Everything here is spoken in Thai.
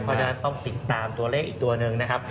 ก็จะต้องติดตามตัวเลขอีกตัวหนึ่งนะครับ